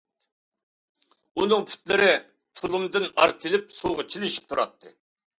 ئۇنىڭ پۇتلىرى تۇلۇمدىن ئارتىلىپ سۇغا چىلىشىپ تۇراتتى.